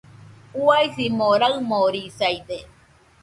Uaisimo raɨmorisaide